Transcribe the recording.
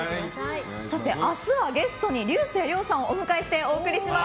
明日はゲストに竜星涼さんをお迎えしてお送りします。